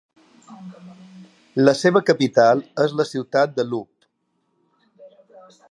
La seva capital és la ciutat de Loup.